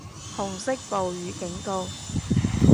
紅色暴雨警告